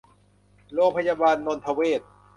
โรงพยาบาลนนทเวช